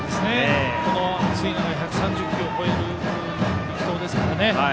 この暑い中で１３０球を超える力投ですからね。